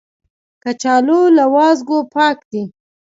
کچالو له وازګو پاک دي